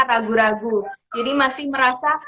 ragu ragu jadi masih merasa